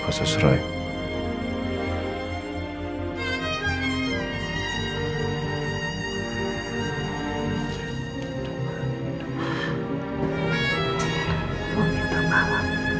mama sudah senang